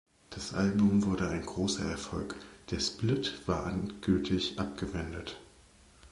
Das Album wurde ein großer Erfolg, der Split war endgültig abgewendet.